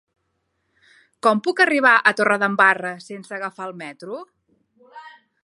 Com puc arribar a Torredembarra sense agafar el metro?